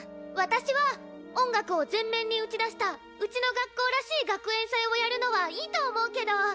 私は音楽を前面に打ち出したうちの学校らしい学園祭をやるのはいいと思うけど。